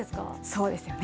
そうですよね。